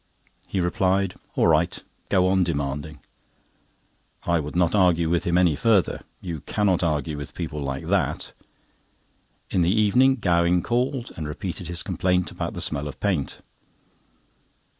He replied: "All right, go on demanding." I would not argue with him any further. You cannot argue with people like that. In the evening Gowing called, and repeated his complaint about the smell of paint.